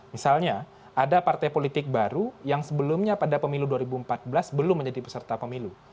misalnya ada partai politik baru yang sebelumnya pada pemilu dua ribu empat belas belum menjadi peserta pemilu